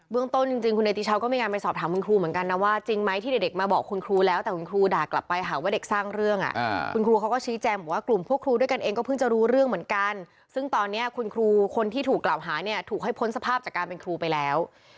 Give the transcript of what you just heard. ต้นจริงคุณเนติชาวก็มีการไปสอบถามคุณครูเหมือนกันนะว่าจริงไหมที่เด็กมาบอกคุณครูแล้วแต่คุณครูด่ากลับไปหาว่าเด็กสร้างเรื่องคุณครูเขาก็ชี้แจงบอกว่ากลุ่มพวกครูด้วยกันเองก็เพิ่งจะรู้เรื่องเหมือนกันซึ่งตอนนี้คุณครูคนที่ถูกกล่าวหาเนี่ยถูกให้พ้นสภาพจากการเป็นครูไปแล้ว